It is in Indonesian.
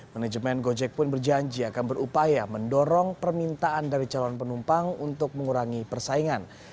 manajemen gojek pun berjanji akan berupaya mendorong permintaan dari calon penumpang untuk mengurangi persaingan